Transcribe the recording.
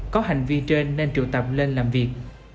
có hành vi trên nên triệu tập lên làm việc